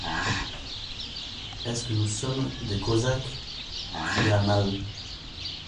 Est-ce que nous sommes des Cosaques ? cria Maheu.